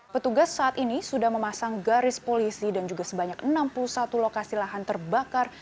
petugas saat ini sudah memasang garis polisi dan juga sebanyak enam puluh satu lokasi lahan terbakar